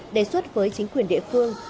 đề xuất với chính quyền địa phương